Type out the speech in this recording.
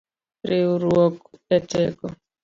Riuruok eteko.